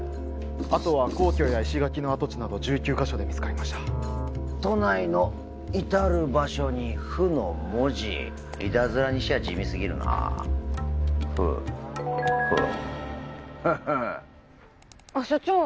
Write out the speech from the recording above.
あとは皇居や石垣の跡地など１９カ所で見つかりました都内の至る場所に「不」の文字イタズラにしては地味すぎるな不不フフッあっ所長